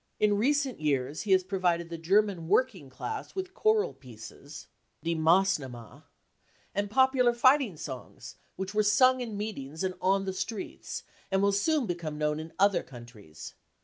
In recent years he has provided the German working class with choral pieces (" £)ie Massnahme ") and popular fighting songs which were sung in meetings and on the streets, and will soon become known in other countries.